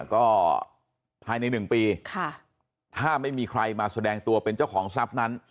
ก็ภายในหนึ่งปีค่ะถ้าไม่มีใครมาแสดงตัวเป็นเจ้าของทราบนั้น